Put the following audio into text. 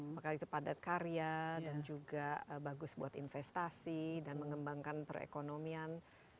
maka itu padat karya dan juga bagus buat investasi dan mengembangkan perekonomian